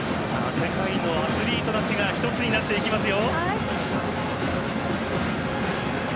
世界のアスリートたちが１つになっていきますよ。